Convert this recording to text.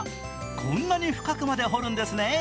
こんなに深くまで掘るんですね。